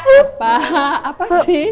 apa apa sih